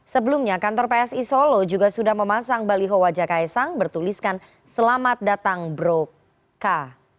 sebelumnya kantor psi solo juga sudah memasang baliho wajah ks sang bertuliskan selamat datang broka